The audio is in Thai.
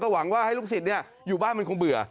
หวังว่าให้ลูกศิษย์อยู่บ้านมันคงเบื่อ